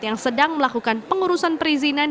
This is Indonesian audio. yang sedang melakukan pengurusan perizinan